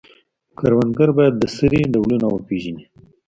کروندګر باید د سرې ډولونه وپیژني.